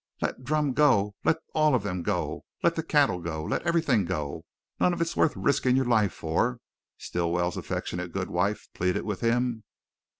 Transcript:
"Let Drumm go let all of them go let the cattle go, let everything go! none of it's worth riskin' your life for!" Stilwell's affectionate good wife pleaded with him.